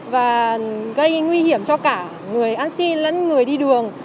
và gây nguy hiểm cho cả người ăn xin lẫn người đi đường